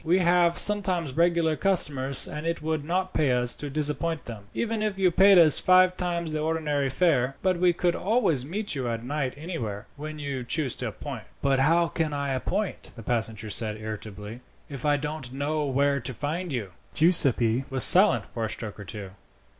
We have sometimes regular customers, and it would not pay us to disappoint them, even if you paid us five times the ordinary fare. But we could always meet you at night anywhere, when you choose to appoint." "But how can I appoint," the passenger said irritably, "if I don't know where to find you?" Giuseppi was silent for a stroke or two.